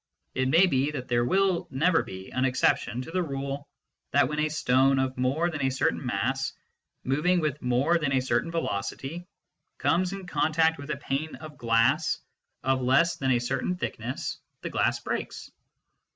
It may be that there will never be an exception to the rule that when a stone of more than a certain mass, moving with more than a certain velocity, comes in contact with a pane of glass of 188 MYSTICISM AND LOGIC less than a certain thickness, the glass breaks.